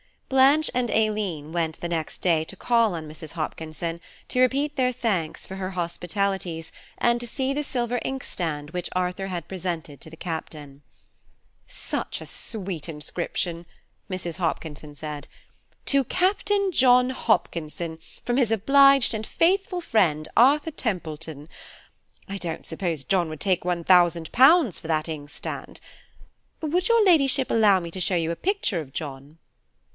Blanche and Aileen went the next day to call on Mrs. Hopkinson, to repeat their thanks for her hospitalities, and to see the silver inkstand which Arthur had presented to the Captain. "Such a sweet inscription," Mrs. Hopkinson said. "'To Captain John Hopkinson, from his obliged and faithful friend, Arthur Templeton.' I don't suppose John would take one thousand pounds for that inkstand. Would your Ladyship allow me to show you a picture of John?"